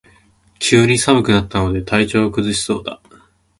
急に寒くなったので体調を崩しそうだ